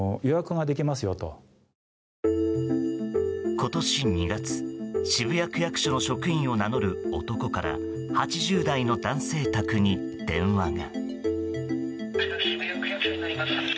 今年２月、渋谷区役所の職員を名乗る男から８０代の男性宅に電話が。